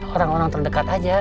orang orang terdekat aja